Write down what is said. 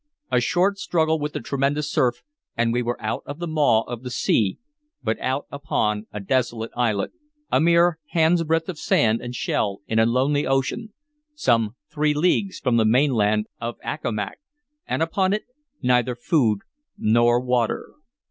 A short struggle with the tremendous surf and we were out of the maw of the sea, but out upon a desolate islet, a mere hand's breadth of sand and shell in a lonely ocean, some three leagues from the mainland of Accomac, and upon it neither food nor water.